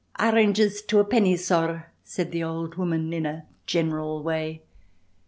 "Arranges two a penny, sorr," said the old woman in a general way.